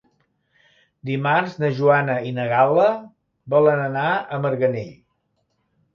Dimarts na Joana i na Gal·la volen anar a Marganell.